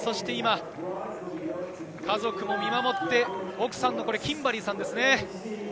家族も見守って、奥さんのキンバリーさんですね。